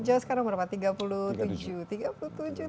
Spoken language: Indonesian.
joss sekarang berapa tiga puluh tujuh